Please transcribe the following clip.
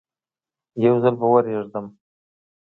یو ځل به ورېږدم.